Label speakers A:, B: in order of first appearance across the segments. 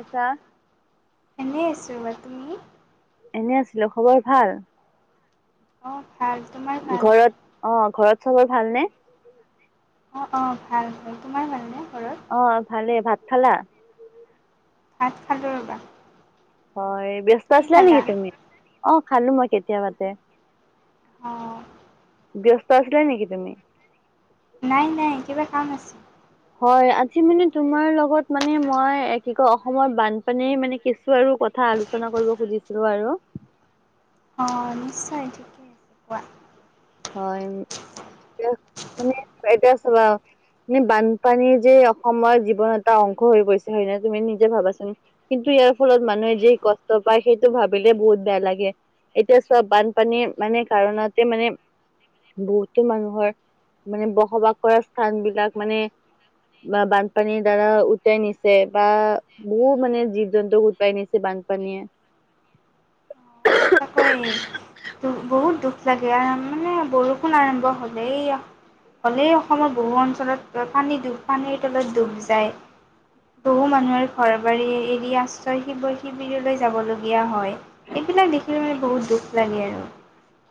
A: এছা
B: এনেই আছোঁ বা তুমি?
A: এনে আছিলো, খবৰ ভাল?
B: অঁ ভাল তোমাৰ ভাল
A: ঘৰত অ' ঘৰত চাবৰ ভালনেে?
B: অ 'অ 'ভাল। তোমাৰ ভালনেে ঘৰত?
A: অ' ভালে, ভাত খালা?
B: ভাত খালো ৰবা।
A: অ' ব্যস্ত
B: তুমি
A: আছিলা
B: খালা
A: নেকি তুমি? অ 'খালো মই কেতিয়াবাতে।
B: অঁ
A: ব্যস্ত আছিলা নেকি তুমি?
B: নাই নাই, কিবা কাম আছিল।
A: হয় আজি মানে তোমাৰ লগত মানে মই কি কয় অসমৰ বানপানী মানে কিছু আৰু কথা কথা আলোচনা কৰিব খুজিছিলো আৰু
B: অঁ নিশ্চয় ঠিকে আছে। কোৱা
A: হয়। মানে এতিয়া চোৱা নে বানপানীৰ যে অসমৰ জীৱন এটা অংশ হৈ পৰিছে হয় নে, তুমি নিজে ভাবাচান। কিন্তু, ইয়াৰ ফলত মানুহে যি কষ্ট পায় সেইটো ভাবিলে বহুত বেয়া লাগে। এতিয়া চোৱা, বানপানীৰ মানে কাৰণতে মানে বহুতো মানুহৰ মানে বসবাস কৰা স্থান বিলাক মানে বা বানপানীৰ দ্বাৰা উটাই নিছে বা বহুত মানে জীৱ জন্তু উটাই নিছে বানপানীয়ে।
B: সঁচাকৈ বহুত দুখ লাগে আৰু মানে বৰষুণ আৰম্ভ হলে এই হ'লেই অসমৰ বহু অঞ্চলত পানী ডুব পানীৰ তলত ডুব যায়। বহু মানুহৰ ঘৰ বাৰী এৰি আশ্ৰয় শিৱয় শিবিৰলৈ যাব লগীয়া হয়। এইবিলাক দেখিলে মানে বহুত দুখ লাগে আৰু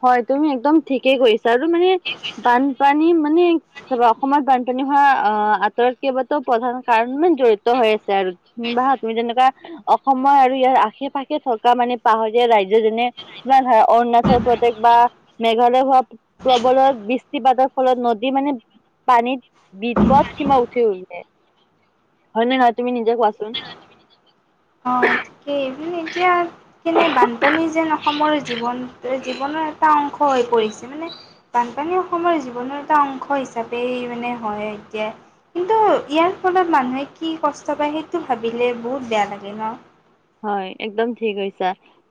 A: হয়, তুমি একদম ঠিকেই কৰিছা আৰু বান বানপানী মানে অসমত বানপানী হোৱা আঁতৰত কেইবাটাও প্ৰধান কাৰণ জৰিত জৰিত হৈ আছে আৰু নিবাহত তুমি যেনেকুৱা অসমৰ আৰু ইয়াৰ আশে পাশে থকা মানে পাহাৰীয়া ৰাজ্য যেনে তোমাৰ ধৰা অৰুণাচল প্ৰদেশ বা মেঘালয় হোৱা প্ৰবলত বৃষ্টিপাতৰ ফলত নদী মানে পানীত বিপদ সীমা উঠি গৈছে। হয় ন নহয় তুমি নিজে কোৱাচোন?
B: অ' ঠিকেই তুমি এতিয়া কেনে বানপানী যেন অসমৰ জীৱন জীৱনৰ এটা অংশ হৈ পৰিছে মানে বানপানী অসমৰ জীৱনৰ এটা অংশ হিচাপেই মানে হয় এতিয়া কিন্তু ইয়াৰ ফলত মানুহে কি কষ্ট পায় সেইটো ভাবিলে বহুত বেয়া লাগে ন।
A: হয় একদম ঠিক কৈছা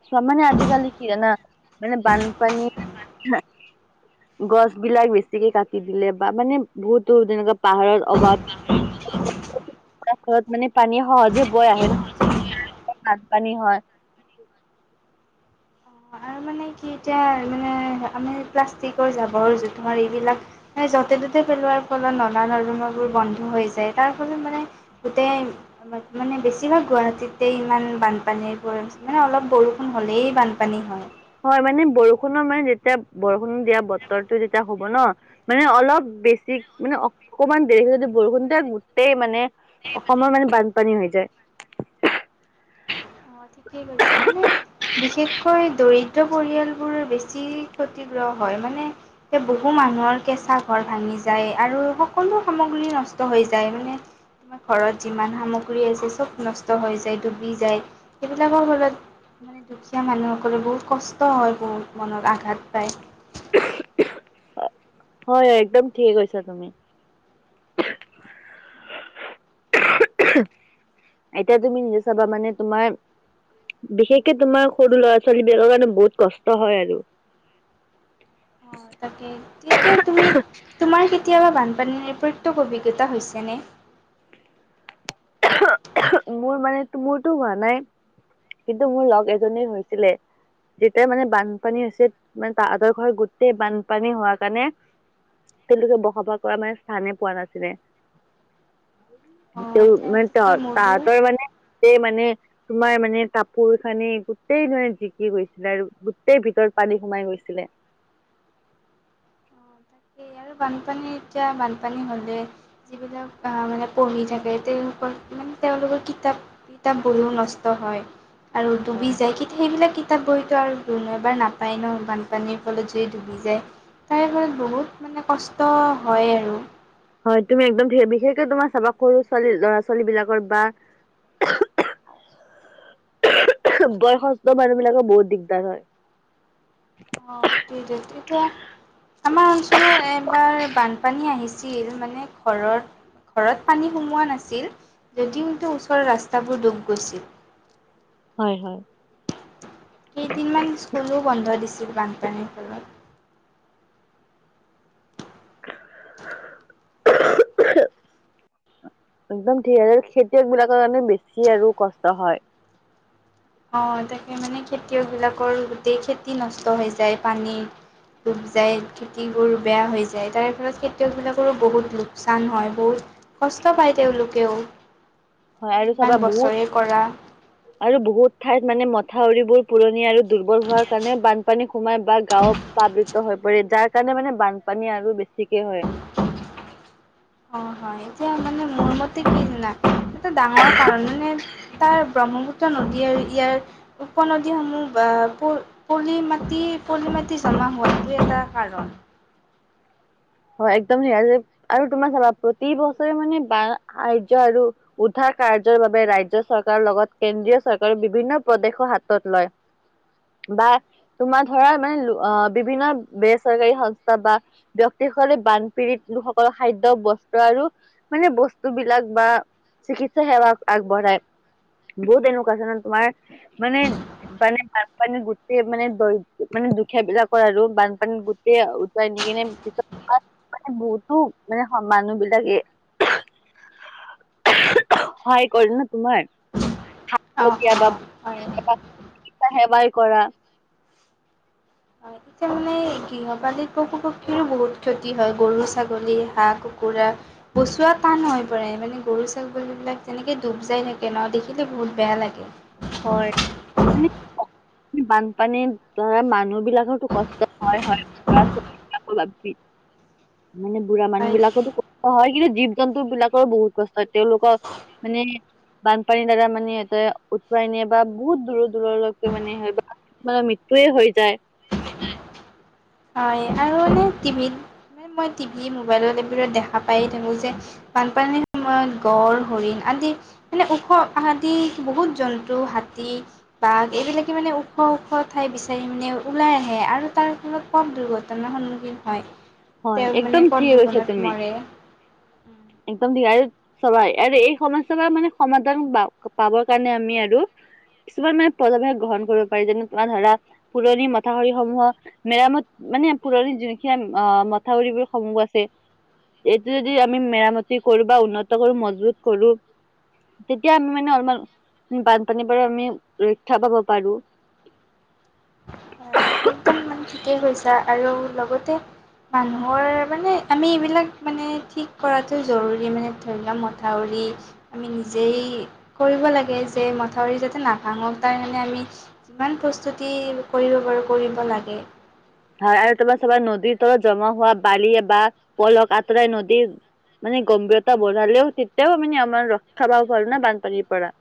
A: চাহ মানে আজিকালি কি বানপানী বা। গছ বিলাক বেছিকে কাটি দিলে বা মানে বহুতো তেনেকুৱা পাহাৰৰ অভাৱ। তাত মানে পানীয়ে সহজে বয় আহে ন। বানপানী হয়।
B: আৰু মানে। কি এতিয়া মানে আমি প্লাষ্টিকৰ জাবৰ -জোথমাৰ এইবিলাক। আমি য'তে ত'তে পেলোৱাৰ ফলত নলা নৰমাবোৰ বন্ধ হৈ যায় তাৰ ফলত মানে গতেই। মানে বেছিভাগ গুৱাহাটীতে ইমান বানপানীৰ পৰিম মানে অলপ বৰষুণ হ'লেই বানপানী হয়।
A: হয় মানে বৰষুণৰ মানে যেতিয়া বৰষুণ দিয়া বতৰটো যেতিয়া হ'ব ন। মানে অলপ বেছি মানে অকণমান দেৰি যদি বৰষুণতে গোটেই মানে অসমৰ মানে বানপানী হয় যায়।
B: অ ঠিকেই কৰিছা হেই। বিশেষকৈ দৰিদ্ৰ পৰিয়ালবোৰ বেছি ক্ষতিগ্ৰহ হয় মানে। সেই বহু মানুহৰ কেঁচা ঘৰ ভাঙি যায় আৰু সকলো সামগ্ৰী নষ্ট হৈ যায় মানে আমাৰ ঘৰত যিমান সামগ্ৰী আছে চব নষ্ট হৈ যায় ডুবি যায়। সেইবিলাকৰ ফলত মানে দুখীয়া মানুহসকলে বহুত কষ্ট হয় বহুত মনত আঘাত পায়।
A: হয় হয় একদম ঠিকে কৈছা তুমি। এতিয়া তুমি নিজে চাবা মানে তোমাৰ। বিশেষকে তোমাৰ সৰু ল'ৰা- ছোৱালী বিলাকৰ কাৰণে বহুত কষ্ট হয় আৰু
B: অ তাকে তেতিয়া তুমি। তোমাৰ কেতিয়াবা বানপানীৰৰে প্ৰত্যক অভিজ্ঞতা হৈছেনে।
A: মোৰ মানে মোৰতো হোৱা নাই কিন্তু মোৰ লগ এজনীৰ হৈছিলে। যেতিয়া মানে বানপানী হৈছে মানে তাহাঁতৰ ঘৰ গোটেই বানপানী হোৱা কাৰণে। তেওঁলোকে বসবাস কৰা মানে স্থানে পোৱা নাছিলে।
B: অ
A: তেওঁ মানে
B: ঠিকে মোৰো
A: তাহাতৰ মানে এ মানে। তোমাৰ মানে কাপোৰ কানি গোটেই নহয় জিকি গৈছিলে আৰু গোটেই ভিতৰত পানী সোমাই গৈছিলে।
B: অ' তাকেই। বানপানী এতিয়া বানপানী হ'লে। যিবিলাক আহ মানে পঢ়ি থাকে তেওঁলোককল মানে তেওঁলোকৰ কিতাপ। কিতাপ বঢ়িও নষ্ট হয় আৰু ডুবি
A: হয়।
B: যায় কি? সেইবিলাক কিতাপ বহিতো আৰু নাপাই ন বানপানীৰ ফলত ডুবি যায়। তাৰে ফলত বহুত মানে কষ্ট হয় আৰু।
A: হয় তুমি একদম বিশেষকে তোমাৰ চাবা সৰু ছোৱালী ল'ৰা- ছোৱালী বিলাকৰ বা। বয়সস্থ মানুহ বিলাকৰ বহুত দিগদাৰ হয়।
B: অ সেইটোৱে টো তেতিয়া। আমাৰ অঞ্চলত এবাৰ বানপানী আহিছিল মানে ঘৰত। ঘৰত পানী সোমোৱা নাছিল যদিও ওচৰৰ ৰাস্তাবোৰ ডুব গৈছিল।
A: হয় হয়।
B: দুই দিন মান স্কুলো বন্ধ দিছিল বানপানীৰ ফলত।
A: [inaudible] একদম ঠিক আছে খেতিয়ক বিলাকৰ মানে বেছি আৰু কষ্ট হয়।
B: অ তাকে মানে খেতিয়ক বিলাকৰ গোটেই খেতি নষ্ট হৈ যায় পানী। ডুব যায় খেতিবোৰ বেয়া হৈ যায় তাৰে ফলত খেতিয়কবিলাকৰো বহুত লোকচান হয়। বহুত- কষ্ট পায় তেওঁলোকেও।
A: হয় আৰু
B: এ
A: চাবা
B: ইমান
A: বহুত
B: বছৰে কৰা।
A: আৰু বহুত ঠাইত মানে মথাউৰিবোৰ পুৰণি আৰু দুৰ্বল হোৱাৰ কাৰণে বানপানী- সোমাই বা গাঁৱত প্লাবিত হৈ পৰে। যাৰ কাৰণে মানে বানপানী আৰু বেছিকে হয়।
B: অ হয়, এতিয়া মানে মোৰ মতে কি জানা? এটা ডাঙৰ কাৰণ মানে- তাৰ ব্ৰহ্মপুত্ৰ নদী আৰু ইয়াৰ উপনদীসমূহ বা পো- পলি মাটি পলি মাটি জমা হোৱাটো এটা কাৰণ।
A: হয়, একদম সেয়াযে আৰু তোমাৰ চাবা প্ৰতি বছৰে মানে বান সাহায্য আৰু- উদ্ধাৰ কাৰ্যৰ বাবে ৰাজ্য চৰকাৰৰ লগত কেন্দ্ৰীয় চৰকাৰৰ বিভিন্ন প্ৰদেশো হাতত লয়। [unintelligible] বা তোমাৰ ধৰা মানে অ বিভিন্ন বেচৰকাৰী সংস্থা বা ব্যক্ত- তে খোলে বানপীড়িত লোকসকলৰ খাদ্যয় বস্ত্ৰ আৰু মানে বস্তু বিলাক বা- চিকিৎসা সেৱা আগবঢ়ায়। বহুত এনেকুৱা ধৰণৰ তোমাৰ মানে- মানে বানপানীত গোটেই মানে দৈ মানে দুখীয়াবিলাকৰ আৰু বানপানীত গোট- তে উটোৱাই নিয়ে পিছত- তাত মানে বহুতো মানে মানুহ বিলাকে। সহায় কৰিল ন তোমাৰ।
B: অ' অ'
A: [unintelligible]
B: হয়।
A: সেৱাই কৰা।
B: [unintelligible] গৃহপালিত পশু পক্ষীৰো বহুত ক্ষতি হয় গৰু ছাগলী হাঁহ কুকুৰা। বচোৱা টান হৈ পৰে মানে গৰু ছাগলীবিলাক যেনেকে ডুব যাই থাকে ন দেখিলে বহুত বেয়া লাগে।
A: হয়, মানে অ। বানপানী ধৰা মানুহ বিলাকৰো কষ্ট হয় হয়। যাব লাগবি। মানে বুঢ়া মানুহ
B: হয়
A: বিলাকতো- অ হয় কিন্তু জীৱ জন্তু বিলাকৰ বহুত কষ্ট হয় তেওঁলোকক মানে- বানপানীৰ দ্বাৰা মানে এটা উটোৱাই নিয়ে বা বহুত দূৰৰ দূৰলৈকে মানে সিহঁতৰ- বা মৃত্যুয়ে হৈ যায়।
B: হয় আৰু মানে টিভিত মানে মই টিভি মোবাইলত এইবোৰত দেখা পায় থাকোঁ যে, - বানপানীৰ সময়ত গড়ঁ হৰিণ আদি- মানে ওখ তাহাতি বহুত জন্তু হাতী- বাঘ এইবিলাকে মানে ওখ ওখ ঠাই বিচাৰি মানে ওলাই আহে আৰু তাৰ ফলত- পথ দুৰ্ঘটনাৰ সন্মুখীন হয়।
A: হয়
B: তেওঁ
A: একদম
B: মানে
A: ঠিক
B: পথ
A: কৈছা
B: দুৰ্ঘটনাত
A: তুমি
B: মৰে।
A: একদম দিয়াৰো- চলাই আৰু এই সমস্যাৰ মানে সমাধান বা পাবৰ কাৰণে আমি আৰু- কিছুমান মানে পজনে গ্ৰহণ কৰিব পাৰি যেনে তোমাৰ ধৰা, পুৰণি মথাউৰি সমূহক- মেৰামত মানে পুৰণি যোনখিনি আ মথাউৰিবোৰ সমূহ আছে। এইটো যদি আমি মেৰামতি কৰোঁ বা উন্নত কৰি মজবুত কৰোঁ- তেতিয়া আমি মানে অলপমান- বানপানী পৰা আমি ৰক্ষা পাব পাৰোঁ।
B: হয় একদম ইমান মানে ঠিকেই কৈছা আৰু লগতে- মানুহৰ মানে আমি এইবিলাক মানে ঠিক কৰাটো জৰুৰী। মানে ধৰি লওঁক মথাউৰি। আমি নিজেই কৰিব লাগে যে মথাউৰি যাতে নাভাঙক তাৰ কাৰণে আমি- যিমান প্ৰস্তুতি কৰিব পাৰোঁ কৰিব লাগে।
A: আৰু তোমাৰ চাবা নদীৰ তলত জমা হোৱা বালি বা পইলখ আঁতৰাই নদীৰ- মানে গম্ভীৰতা বঢ়ালেও তেতিয়াও মানে আমাৰ ৰক্ষা পাব পাৰোনে বানপানীৰ পৰা।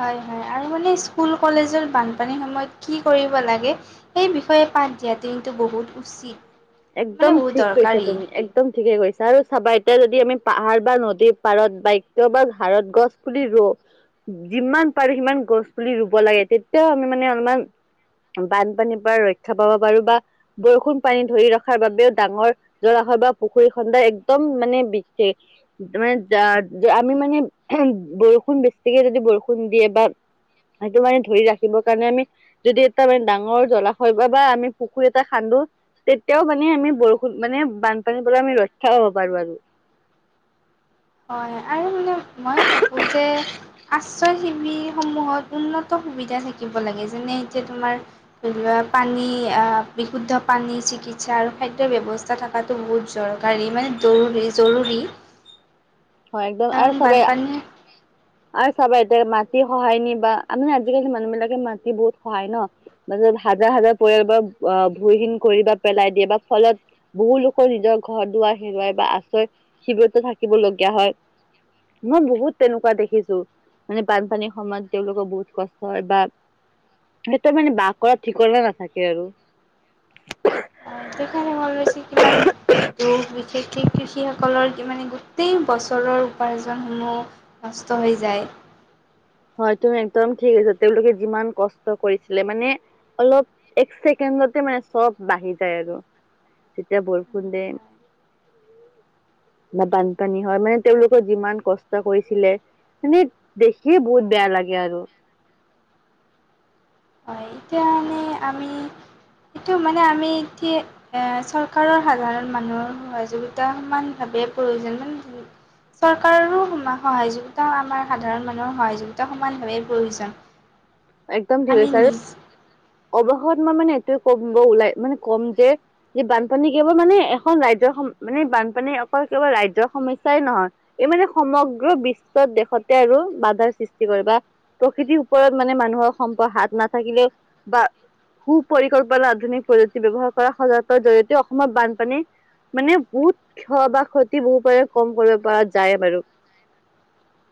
B: হয় হয়, আৰু মানে স্কুল কলেজত বানপানীৰ সময়ত কি কৰিব লাগে সেই বিষয়ে পাঠ দিয়াতো কিন্তু বহুত উচিত। মানে
A: একদম
B: বহুত
A: ঠিক কৈছা
B: দৰকাৰী
A: তুমি এক দম ঠিকে কৈছে। আৰু চাবা এতিয়া যদি আমি পাহাৰ বা নদীৰ পাৰত বাক্য বা ঘাঁহত গছ পুলি ৰু, যিমান পাৰোঁ সিমান গছ পুলি ৰুব লাগে তেতিয়াও আমি মানে অলপমান বানপানীৰ পৰা ৰক্ষা পাব পাৰোঁ বা বৰষুণ পানী ধৰি ৰখ খাৰ বাবেও ডাঙৰ জলাশয় বা পুখুৰী খন্দাৰ একদম মানে বিশেষ আমি মানে বৰষুণ বেছিকে যদি বৰষুণ দিয়ে বা সেইটো মানে ধৰি ৰাখিবৰ কাৰণে আমি যদি এটা মানে ডাঙৰ জলাশয় বা বা আমি পুখুৰী এটা খান্দো তিয়াও মানে আমি বৰষুণ মানে বানপানীৰ পৰা আমি ৰক্ষা হ'ব পাৰোঁ আৰু।
B: হয় আৰু মানে মই ভাবোঁ যে আশ্ৰয় শিবিৰসমূহত উন্নত সুবিধা থাকিব লাগে যেনে এতিয়া তোমাৰ ধৰি লোৱা পানী আ, বিশুদ্ধ পানী, চিকিৎসা আৰু খাদ্যৰ ব্যৱস্থা থাক কাটো বহুত জৰকাৰী মানে জৰুৰী জৰুৰী।
A: হয় একদম আৰু
B: কাৰণ
A: চবেই
B: বানপানীয়ে
A: আৰু চাবা এতিয়া মাটি খহায় নি মানে আজিকালি মানুহবিলাকে মাটি বহুত খহাই ন'। তাৰপাছত হাজাৰ হাজাৰ পৰিয়াল বা আহ, ভূমিহীন কৰি বা পেলাই দিয়ে বা ফলত বহুলোকৰ নিজৰ ঘৰ দুৱাৰ হেৰুৱাই বা আশ্ৰয় শিবিৰতো থাকিবলগীয়া হয়। মই বহুত তেনেকুৱা দেখিছোঁ। মানে বানপানীৰ সময়ত তেওঁলোকৰ বহুত কষ্ট হয় বা সিহঁতৰ মানে বাস কৰা ঠিকনা নাথাকে আৰু।
B: হয়, সেই কাৰণে মই ভাবিছোঁ কিমান ত' বিশেষকে কৃষিসকলৰ মানে গোটেই বছৰৰ উপাৰ্জনসমূহ নষ্ট হৈ যায়।
A: হয় তুমি একদম ঠিক [unintelligible] তেওঁলোকে যিমান কষ্ট কৰিছিলে মানে অলপ এক কেণ্ডতে মানে চব বাঢ়ি যায় আৰু। তেতিয়া বৰষুণ দে বা বানপানী হয়, মানে তেওঁলোকৰ যিমান কষ্ট কৰিছিলে মানে দেখি খি বহুত বেয়া লাগে আৰু।
B: হয় এতিয়া মানে আমি এইটো মানে আমি এতিয়া এ, চৰকাৰৰ সাধাৰণ মানুহৰ সহযোগিতা সমান ভাৱে প্ৰয়োজন [unintelligible] চৰকাৰৰো সহায়যোগিতা আমাৰ সাধাৰণ মানুহৰ সহায়যোগিতা সমানভাৱেই প্ৰয়োজন।
A: একদম ঠিক
B: আমি
A: কৈছা আৰু
B: নিজ
A: অৱশত মই মানে এইটোৱে ক'মব ওলাই মানে ক'ম যে যে বানপানী কেৱল মানে এখন ৰাজ্যৰ সম মানে বানপানী অকল কেৱল ৰাজ্যৰ সমস্যাই নহয় এই মানে সমগ্ৰ বিশ্বত দেশতে আৰু বাধাৰ সৃষ্টি কৰে বা প্ৰকৃতিৰ ওপৰত মানে মানুহৰ সম্প হাত নাথাকিলেও বা সু পৰিকল্পনা আধুনিক প্ৰযুক্তি ব্যৱহাৰ কৰা সজাগৰ জৰিয়তে অসমৰ বানপানী মানে বহুত ক্ষ বা ক্ষতি বহু পাৰে কম কৰিব পৰা যায় বাৰু।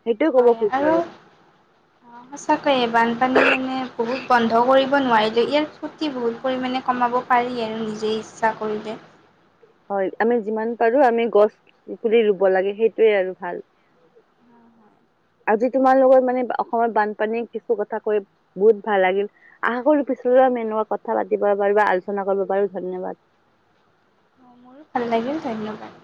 A: সেইটোয়ে ক'ব
B: হয়,
A: খুজো
B: আৰু অ' সচাঁকৈয়ে বানপানী মানে বহুত বন্ধ কৰিব নোৱাৰিলে, ইয়াৰ ক্ষতি বহুত পৰিমণে কমাব পাৰি আৰু নিজেই ইচ্ছা কৰিলে।
A: হয়, আমি যিমান পাৰোঁ আমি গছ পুলি ৰুব লাগে সেইটোৱে আৰু ভাল। আজি তোমাৰ লগত মানে অসমত বানপানীৰ কিছু কথা কৈ বহুত ভাল লাগিল। আশা কৰোঁ পিছলওঁ আমি এনেকুৱা কথা পাতিব পাৰোঁ বা আলোচনা কৰিব পাৰোঁ, ধন্যবাদ।
B: মোৰো ভাল লাগিল, ধন্যবাদ।